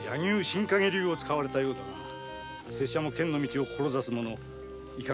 新陰流を使われたようだが拙者も剣の道を志す者。